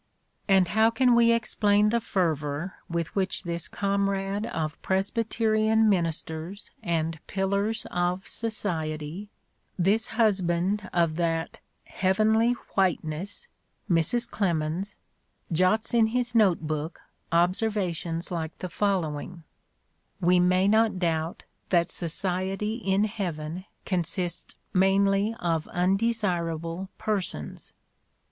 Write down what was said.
And how can we explain the fervor with which this comrade of Presbyterian ministers and pillars of society, this husband of that "heavenly whiteness," Mrs. Clemens, jots in his note book observations like the following: "We may not doubt that society in heaven consists mainly of undesirable persons"?